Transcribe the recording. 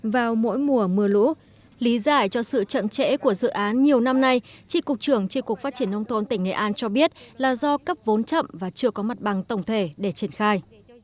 vào mỗi mùa mưa lũ lý giải cho sự chậm trễ của dự án nhiều năm nay tri cục trưởng tri cục phát triển nông thôn tỉnh nghệ an cho biết là do cấp vốn chậm và chưa có mặt bằng tổng thể để triển khai